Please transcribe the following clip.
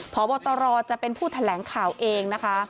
พบตรจะเป็นผู้แถลงข่าวเองนะคะ